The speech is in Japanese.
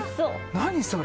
何それ？